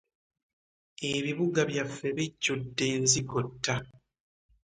Ebibuga byaffe bijjudde enzigotta.